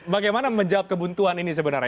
bagaimana menjawab kebuntuan ini sebenarnya